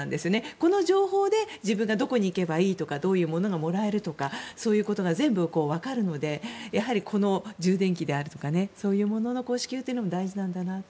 この情報で自分がどこに行けばいいとかどういうものがもらえるとかそういうことが全部分かるのでやはり充電器であるとかそういうものの支給も大事なんだなと。